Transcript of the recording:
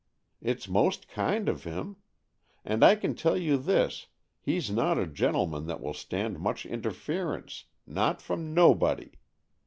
It's most kind of him. And I can tell you this, he's not a gentleman that will stand much interference — not from no body.